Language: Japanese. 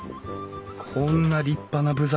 こんな立派な部材